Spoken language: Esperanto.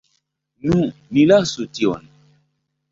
Nu, ni lasu tion.